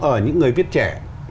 ở những người viết trẻ